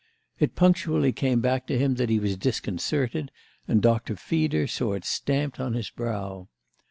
It punctually came back to him that he was disconcerted, and Dr. Feeder saw it stamped on his brow.